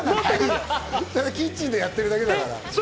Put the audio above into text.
キッチンでやってるだけだから。